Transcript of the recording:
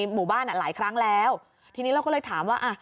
หมู่บ้านอ่ะหลายครั้งแล้วทีนี้เราก็เลยถามว่าอ่ะ